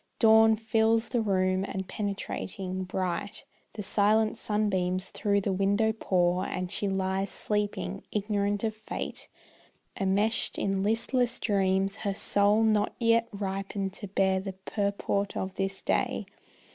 Dawn fills the room, and penetrating, bright, The silent sunbeams through the window pour. And she lies sleeping, ignorant of Fate, Enmeshed in listless dreams, her soul not yet Ripened to bear the purport of this day.